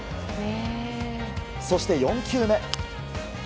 そして、４球目。